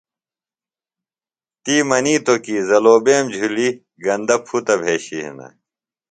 تی منیتو کی زلوبیم جُھلیۡ گندہ پُھتہ بھشیۡ ہینہ۔